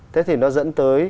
thế thì nó dẫn tới